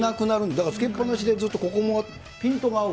だからつけっぱなしで、ずっとここもピントが合う。